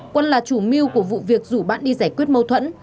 quân là chủ mưu của vụ việc rủ bạn đi giải quyết mâu thuẫn